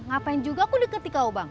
ngapain juga aku deketi kau bang